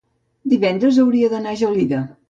divendres hauria d'anar a Gelida.